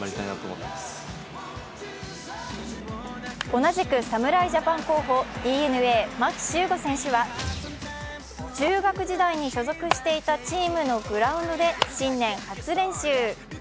同じく侍ジャパン候補、ＤｅＮＡ・牧秀悟選手は中学時代に所属していたチームのグラウンドで新年初練習。